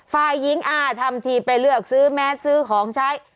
ฝ่ายหญิงอ้าทำทีไปเลือกซื้อแมสซื้อของใช้